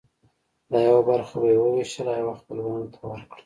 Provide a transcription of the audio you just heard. دا یوه برخه به یې وویشله او یوه خپلوانو ته ورکړه.